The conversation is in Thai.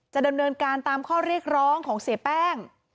ดำเนินการตามข้อเรียกร้องของเสียแป้ง